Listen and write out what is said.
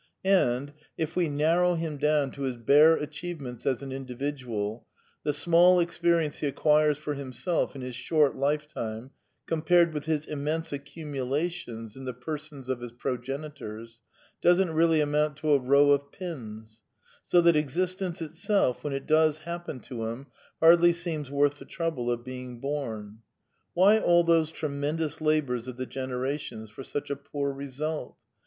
And, if we narrow him down to his bare achievements as an individual, the small experience he acquires for himself in his short life time, compared with his immense accumulations in the persons of his progenitors, doesn't really amount to a row of pins; so that existence itself, when it does happen to him, hardly seems worth the trouble of being bom. Why all those tremendous labours of the generations for such a poor result?